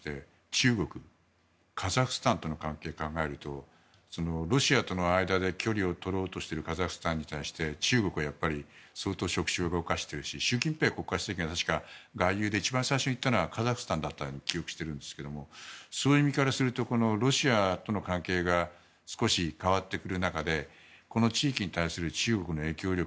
中国、カザフスタンとの関係を考えるとロシアとの間で距離を取ろうとしているカザフスタンに対して中国はやっぱり相当食指を動かしているし習近平国家主席が外遊で一番最初に行ったのがカザフスタンだったと記憶しているんですがそういう意味からするとロシアとの関係が少し変わってくる中でこの地域に対する中国の影響力